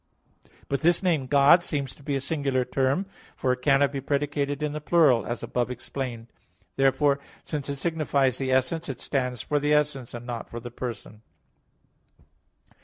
But this name "God" seems to be a singular term, for it cannot be predicated in the plural, as above explained (A. 3). Therefore, since it signifies the essence, it stands for essence, and not for person.